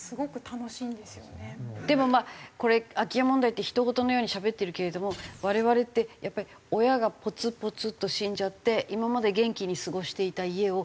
でもまあこれ空き家問題ってひとごとのようにしゃべってるけれども我々ってやっぱり親がポツポツと死んじゃって今まで元気に過ごしていた家を